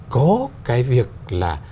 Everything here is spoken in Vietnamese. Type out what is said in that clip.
có cái việc là